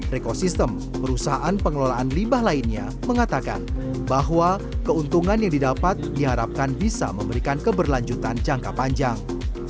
rekosistem perusahaan pengelolaan limbah lainnya mengatakan bahwa keuntungan yang didapat diharapkan bisa memberikan keberlanjutan jangka panjang